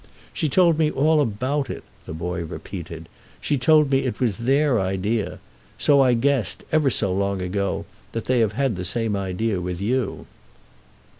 She told me all about it," the boy repeated. "She told me it was their idea. So I guessed, ever so long ago, that they have had the same idea with you."